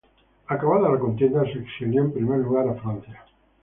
Acabada la contienda, se exilió primero en Francia.